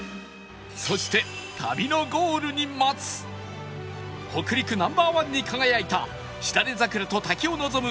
そして旅のゴールに待つ北陸 Ｎｏ．１ に輝いたしだれ桜と滝を望む